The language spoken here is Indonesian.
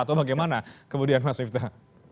atau bagaimana kemudian mas ifda